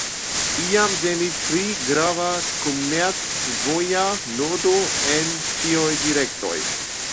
Iam temis pri grava komercvoja nodo en ĉiuj direktoj.